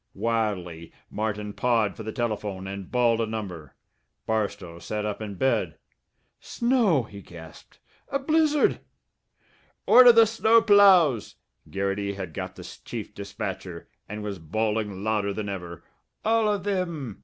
Wildly Martin pawed for the telephone and bawled a number. Barstow sat up in bed. "Snow!" he gasped. "A blizzard!" "Order the snow ploughs!" Garrity had got the chief dispatcher, and was bawling louder than ever. "All of thim!